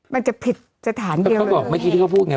มันจะผิดสถานเขาบอกไม่คิดว่าพูดไง